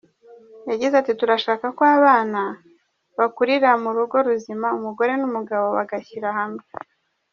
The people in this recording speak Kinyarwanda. Yagize ati “Turashaka ko abana bakurira mu rugo ruzima umugore n’umugabo bagashyira hamwe.